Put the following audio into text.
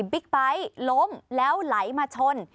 บิ๊กป้ายล้มแล้วไหลมาชน